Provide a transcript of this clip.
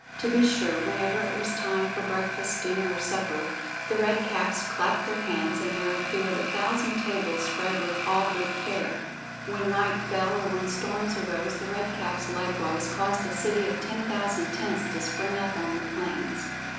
To be sure, whenever it was time for breakfast, dinner, or supper, the Red Caps clapped their hands and there appeared a thousand tables spread with all good fare. When night fell, or when storms arose, the Red Caps likewise caused a city of ten thousand tents to spring up on the plains.